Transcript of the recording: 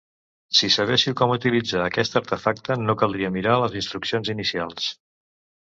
Si sabessiu com utilitzar aquest artefacte no caldria mirar les instruccions inicials